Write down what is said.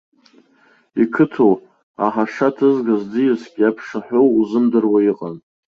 Иқыҭоу, аҳаша ҭызгаз ӡиаск иаԥшаҳәоу узымдыруа иҟан.